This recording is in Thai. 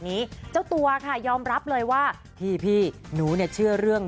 นี้เจ้าตัวค่ะยอมรับเลยว่าพี่หนูเนี่ยเชื่อเรื่อง